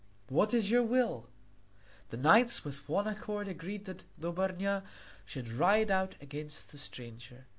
What is your will?" The knights with one accord agreed that Dobrnja should ride out against the stranger.